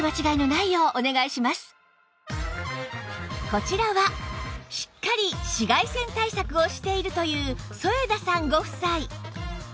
こちらはしっかり紫外線対策をしているという添田さんご夫妻